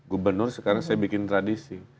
gubernur sekarang saya bikin tradisi